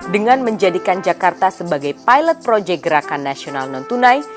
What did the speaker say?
dengan menjadikan jakarta sebagai pilot project gerakan nasional non tunai